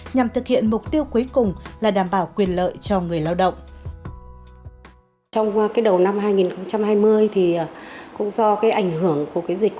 nhằm thực hiện mục tiêu cuối cùng là đảm bảo quyền lợi cho người lao động